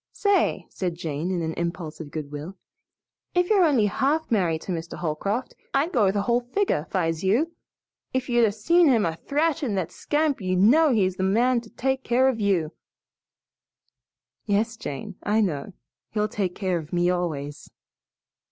"Say," said Jane in an impulse of good will, "if you're only half married to Mr. Holcroft, I'd go the whole figure, 'fi's you. If you'd 'a' seen him a thrashin' that scamp you'd know he's the man to take care of you." "Yes, Jane, I know. He'll take care of me always."